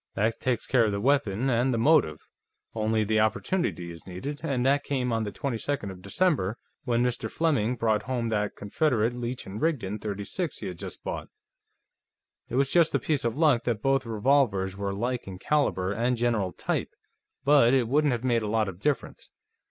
That takes care of the weapon and the motive; only the opportunity is needed, and that came on the 22nd of December, when Mr. Fleming brought home that Confederate Leech & Rigdon .36 he had just bought. It was just a piece of luck that both revolvers were alike in caliber and general type, but it wouldn't have made a lot of difference.